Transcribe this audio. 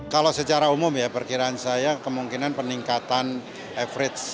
kalau secara umum ya perkiraan saya kemungkinan peningkatan average